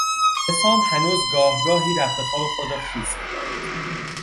حسام هنوز گاهگاهی رختخواب خود را خیس میکند.